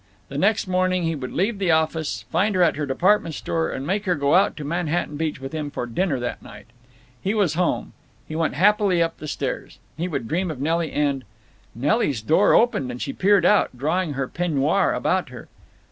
The next morning he would leave the office, find her at her department store, and make her go out to Manhattan Beach with him for dinner that night. He was home. He went happily up the stairs. He would dream of Nelly, and— Nelly's door opened, and she peered out, drawing her peignoir about her.